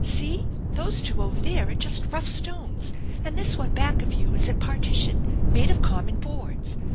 See. those two over there are just rough stones, and this one back of you is a partition made of com mon boards.